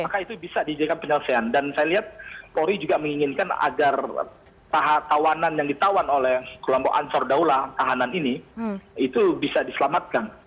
maka itu bisa dijadikan penyelesaian dan saya lihat polri juga menginginkan agar kawanan yang ditawan oleh kelompok ansor daulah tahanan ini itu bisa diselamatkan